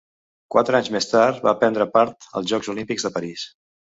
Quatre anys més tard va prendre part als Jocs Olímpics de París.